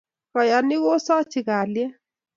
Kayinik osachi kalyet